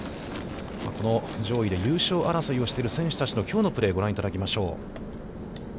この上位で優勝争いをしている選手たちのきょうのプレーをご覧いただきましょう。